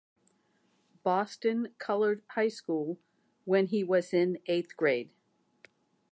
Boston Colored High School when he was in eighth grade.